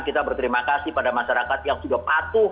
kita berterima kasih pada masyarakat yang sudah patuh